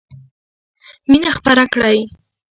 مینه خپره کړئ!